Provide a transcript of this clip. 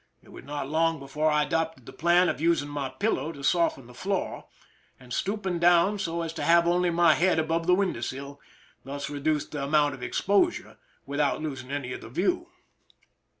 It was not long before I adopted the plan of using my pillow to soften the floor, and stooping down so as to have only my head above the window sill, thus reducing the amount of exposure without losing any of the view.